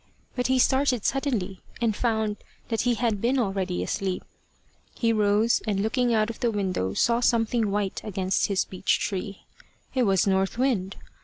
But he started suddenly, and found that he had been already asleep. He rose, and looking out of the window saw something white against his beech tree. It was North Wind.